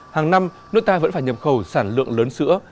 hàng năm nước ta vẫn phải nhập khẩu sản lượng lớn sữa